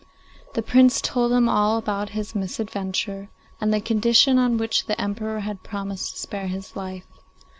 The Prince told him all about his misadventure, and the condition on which the Emperor had promised to spare his life.